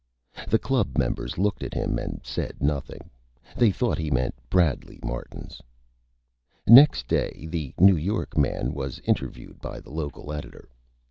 The Club Members looked at Him and said Nothing. They thought he meant Bradley Martin's. Next Day the New York Man was Interviewed by the Local Editor.